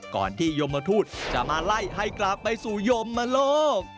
ก่อนที่ยมทูตจะมาไล่ให้กลับไปสู่ยมโลก